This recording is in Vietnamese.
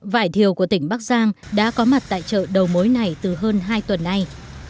vải thiều của tỉnh bắc giang đã có mặt tại chợ đầu mối này từ hơn hai tuần nay